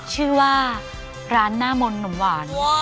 ชื่อว่าร้านน่ามนหน่อหวาน